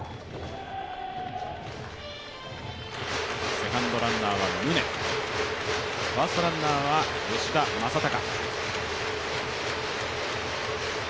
セカンドランナーは宗、ファーストランナーは吉田正尚。